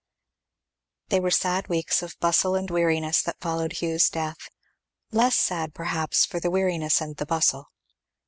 They were sad weeks of bustle and weariness that followed Hugh's death; less sad perhaps for the weariness and the bustle.